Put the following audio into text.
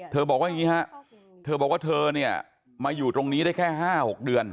เธอบอกว่าเธอเนี่ยมาอยู่ตรงนี้ได้แค่๕๖เดือน